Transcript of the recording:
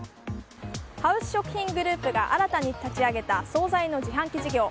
ハウス食品グループが新たに立ち上げた総菜の自販機事業。